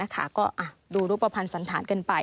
ก็ดูรูปภัณฑ์สันธารกันไป